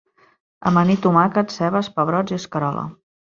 Amanir tomàquets, cebes, pebrots i escarola.